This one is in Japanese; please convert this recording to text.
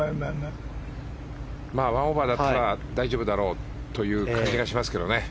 １オーバーだったら大丈夫だろうという感じがしますけどね。